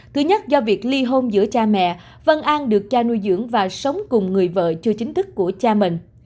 thứ nhất do việc ly hôn giữa cha mẹ vân an được cha nuôi dưỡng và sống cùng người vợ chưa chính thức của cha mình